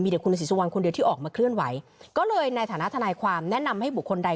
แต่คุณศรีสุวรรณคนเดียวที่ออกมาเคลื่อนไหวก็เลยในฐานะทนายความแนะนำให้บุคคลใด